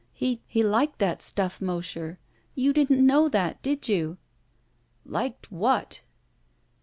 He — ^liked that stuff, Mosher. You didn't know that, did you?" "Liked what?"